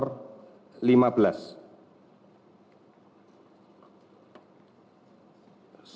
pasien dengan identifikasi lima belas